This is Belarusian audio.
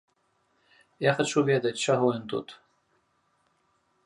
Я хачу ведаць, чаго ён тут.